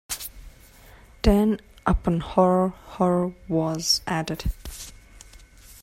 Then upon horror, horror was added.